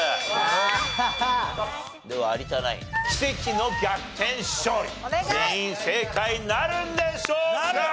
では有田ナイン奇跡の逆転勝利全員正解なるんでしょうか？